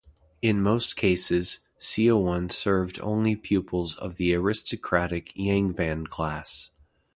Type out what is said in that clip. In most cases, seowon served only pupils of the aristocratic yangban class.